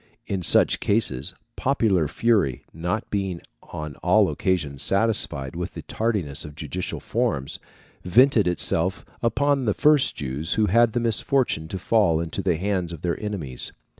In such cases, popular fury, not being on all occasions satisfied with the tardiness of judicial forms, vented itself upon the first Jews who had the misfortune to fall into the hands of their enemies.